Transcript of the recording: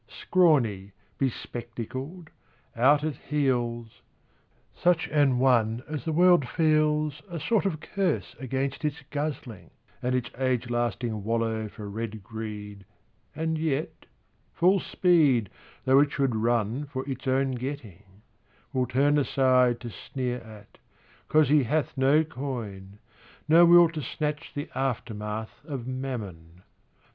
Scrawny, be spectacled, out at heels, Such an one as the world feels A sort of curse against its guzzling And its age lasting wallow for red greed And yet; full speed Though it should run for its own getting, Will turn aside to sneer at 'Cause he hath No coin, no will to snatch the aftermath Of Mammon.